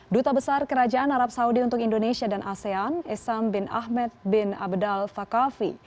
duta besar kerajaan arab saudi untuk indonesia dan asean esam bin ahmed bin abedal fakafi